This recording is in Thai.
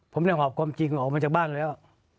ผมได้หอบความจริงออกมาจากบ้านแล้ว